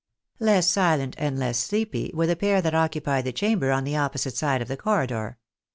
Less sUent and less sleepy were the pair that occupied the chamber on the opposite side of the corridor.